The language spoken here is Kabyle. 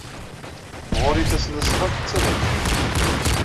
Ɣer-i tasnasɣalt d taberkant.